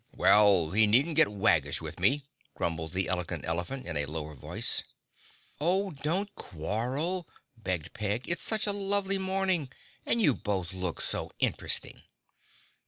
"Well, he needn't get waggish with me," grumbled the Elegant Elephant in a lower voice. "Oh, don't quarrel!" begged Peg. "It's such a lovely morning and you both look so interesting."